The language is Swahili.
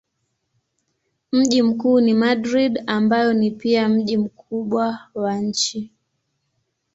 Mji mkuu ni Madrid ambayo ni pia mji mkubwa wa nchi.